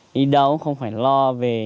đi đâu cũng không phải lo về